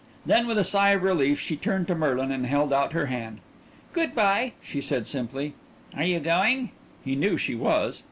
Then with a sigh of relief she turned to Merlin and held out her hand. "Good by," she said simply. "Are you going?" He knew she was.